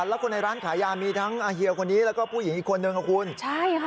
แล้วคนในร้านขายยามีทั้งอาเฮียคนนี้แล้วก็ผู้หญิงอีกคนนึงอ่ะคุณใช่ค่ะ